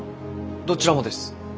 どちらもです。